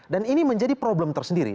dan ini menjadi problem tersendiri